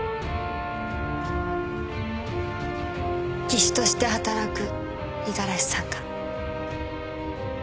技師として働く五十嵐さんが。